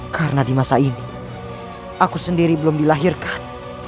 karena di masa ini aku sendiri belum dilahirkan